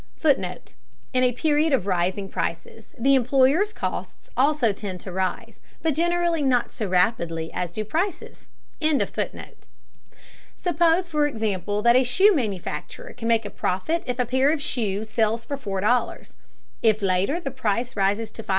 [Footnote: In a period of rising prices, the employer's costs also tend to rise, but generally not so rapidly as do prices.] Suppose, for example that a shoe manufacturer can make a profit if a pair of shoes sells for $4.00. If later the price rises to $5.